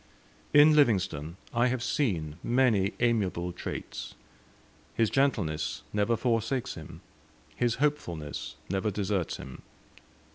In Livingstone I have seen many amiable traits. His gentleness never forsakes him; his hopefulness never deserts him.